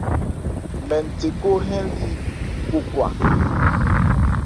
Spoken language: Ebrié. Mɛn nthekhó hɛ́n li Kokwra.